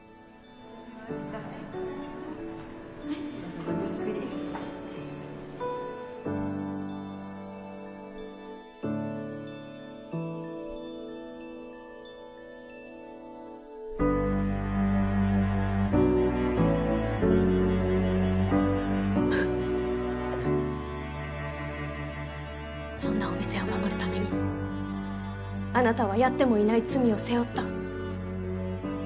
どうぞごゆっくりそんなお店を守る為にあなたはやってもいない罪を背負った。